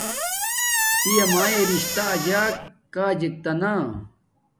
پیا میے رشتہ اجک کاجک تا نا